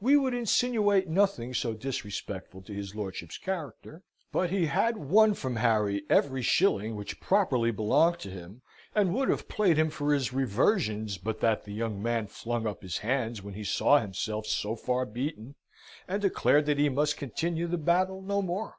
We would insinuate nothing so disrespectful to his lordship's character; but he had won from Harry every shilling which properly belonged to him, and would have played him for his reversions, but that the young man flung up his hands when he saw himself so far beaten, and declared that he must continue the battle no more.